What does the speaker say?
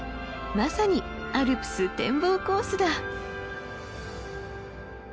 まさにアルプス展望コースだ。